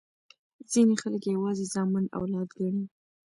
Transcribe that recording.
ځیني خلګ یوازي زامن اولاد ګڼي.